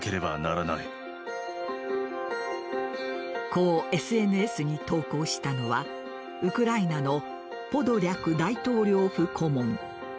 こう、ＳＮＳに投稿したのはウクライナのポドリャク大統領府顧問。